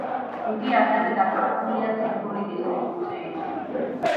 იგი ასევე დაკავებულია ციფრული დისტრიბუციით.